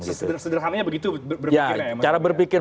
sederhananya begitu cara berpikir